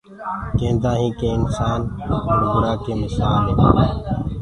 ڪيندآ هينٚ ڪي انسآن بُڙبُرآ ڪي مسآل هي۔